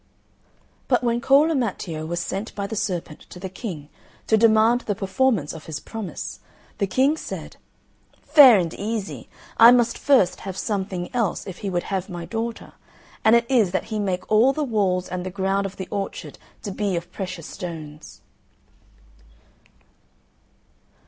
But when Cola Matteo was sent by the serpent to the King, to demand the performance of his promise, the King said, "Fair and easy, I must first have something else if he would have my daughter; and it is that he make all the walls and the ground of the orchard to be of precious stones."